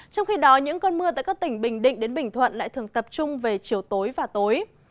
trong khi đó những cơn mưa tại các tỉnh bình định đến bình thuận lại thường tập trung về chiều tối và tối